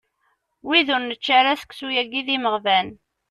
Wid ur nečči ara seksu-yagi d imeɣban.